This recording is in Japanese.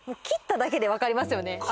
切っただけで分かりますよね